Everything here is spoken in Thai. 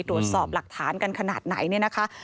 ตรวจสอบหลักฐานกันขนาดไหนเนี่ยนะคะ